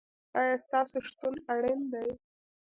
ایا ستاسو شتون اړین دی؟